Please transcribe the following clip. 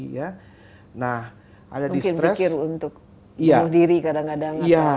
mungkin pikir untuk bunuh diri kadang kadang